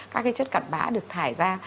các cái chất cặt bã được thải ra